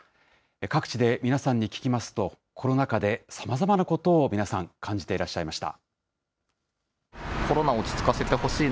各地で皆さんに聞きますと、コロナ禍でさまざまなことを皆さん、感じていらっしゃいました。